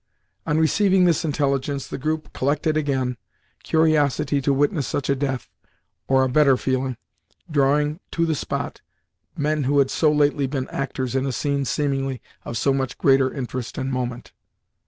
On receiving this intelligence the group collected again, curiosity to witness such a death or a better feeling drawing to the spot men who had so lately been actors in a scene seemingly of so much greater interest and moment.